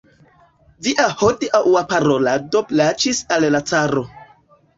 Via hodiaŭa parolado plaĉis al la caro.